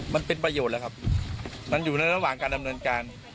มันเป็นประโยชน์แล้วครับมันอยู่ในระหว่างการดำเนินการ